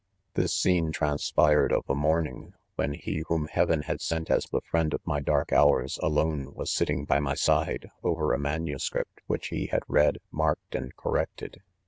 *This scene transpired of a morning, when he whom heaven had sent as* the friend of my dark hours, alone, was sitting, by my side, over a MSS.. which he had read, marked, and cor rected.